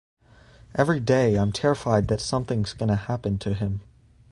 Every day I'm terrified that something's gonna happen to him.